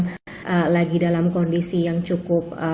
sedang dalam kondisi yang cukup